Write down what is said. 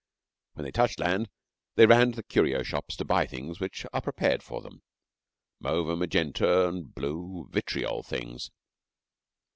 When they touched land they ran away to the curio shops to buy things which are prepared for them mauve and magenta and blue vitriol things.